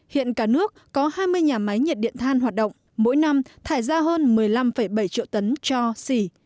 hiện cả nước có hai mươi nhà máy nhiệt điện than hoạt động mỗi năm thải ra hơn một mươi năm bảy triệu tấn cho xỉ